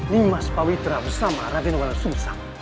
nimas pak witra bersama raden walau susah